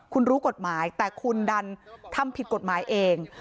คุณรู้กฎหมายแต่คุณดันทำผิดกฎหมายเอง